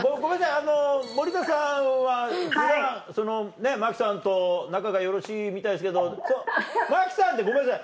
あの森田さんは普段真木さんと仲がよろしいみたいですけど真木さんってごめんなさい